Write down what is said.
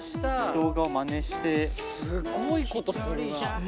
すごいことするなあ。